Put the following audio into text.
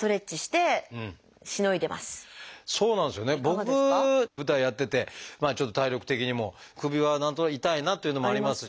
僕舞台やっててまあちょっと体力的にも首は何となく痛いなというのもあります。